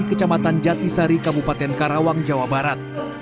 kecamatan jatisari kabupaten karawang jawa barat